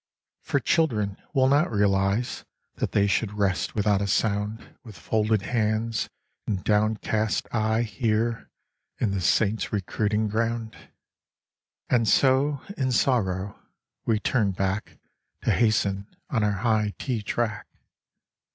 For children will not realise That they should rest without a sound With folded hands and downcast eye Here, in the Saints' recruiting ground. i6 Sunday Afternoon. And so, in sorrow, we turn back To hasten on our high tea track.